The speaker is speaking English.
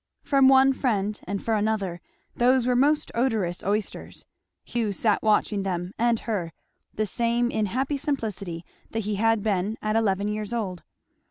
From one friend, and for another, those were most odorous oysters. Hugh sat watching them and her, the same in happy simplicity that he had been at eleven years old.